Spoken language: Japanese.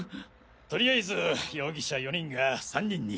とりあえず容疑者４人が３人に。